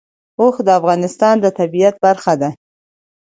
اوښ د افغانستان د طبیعت برخه ده.